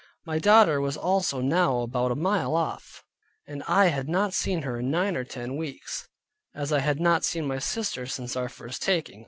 My daughter was also now about a mile off, and I had not seen her in nine or ten weeks, as I had not seen my sister since our first taking.